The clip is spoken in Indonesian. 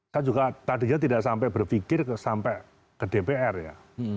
kan juga tadinya tidak sampai berpikir sampai ke dpr ya